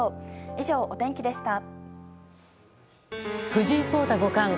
以上、お天気でした。